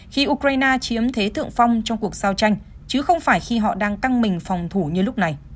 khi ukraine chiếm thế thượng phong trong cuộc giao tranh chứ không phải khi họ đang căng mình phòng thủ như lúc này